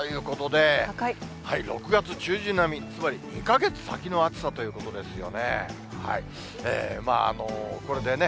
６月中旬並み、つまり２か月先の暑さということですよね。